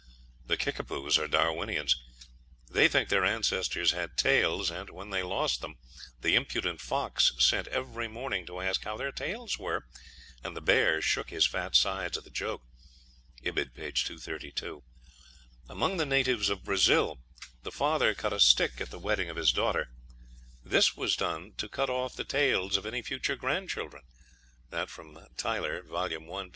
The Kickapoos are Darwinians. "They think their ancestors had tails, and when they lost them the impudent fox sent every morning to ask how their tails were, and the bear shook his fat sides at the joke." (Ibid., p. 232.) Among the natives of Brazil the father cut a stick at the wedding of his daughter; "this was done to cut off the tails of any future grandchildren." (Tylor, vol. i., p.